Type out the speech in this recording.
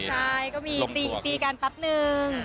ใช่ก็มีตีกันแป๊บนึง